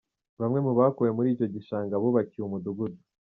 Bamwe mu bakuwe muri icyo gishanga bubakiwe umudugudu.